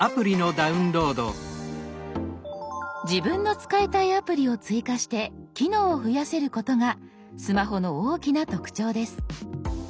自分の使いたいアプリを追加して機能を増やせることがスマホの大きな特徴です。